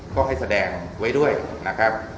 ก็ให้แสดงไว้ด้วยนะครับ